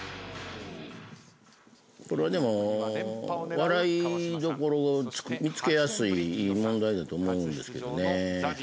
これはでも笑いどころを見つけやすいいい問題だと思うんですけどね。